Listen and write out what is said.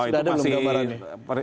sudah ada belum gambaran